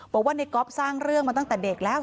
เป็นคนที่สร้างเรื่องมาตั้งแต่เด็กแล้ว